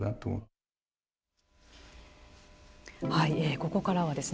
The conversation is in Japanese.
ここからはですね